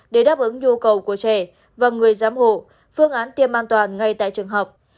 để đáp ứng nhu cầu của trẻ và người giám hộ phương án tiêm an toàn ngay tại trường học